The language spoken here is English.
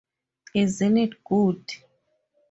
Isn't it good!